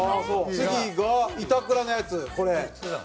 次が板倉のやつこれ。